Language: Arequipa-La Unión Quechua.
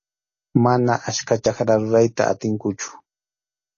Mana achka chakrata rurayta atinkuchu.